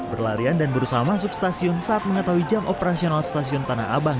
berlarian dan berusaha masuk stasiun saat mengetahui jam operasional stasiun tanah abang